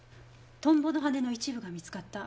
トンボの羽の一部が見つかった。